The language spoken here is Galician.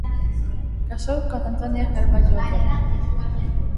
Casou con Antonia Carballo Otero.